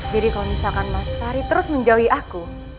jadi kalau misalkan mas fahri terus menjauhi aku